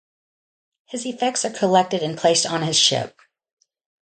His effects are collected and placed on his ship.